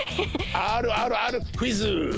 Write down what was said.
あるあるＲクイズ！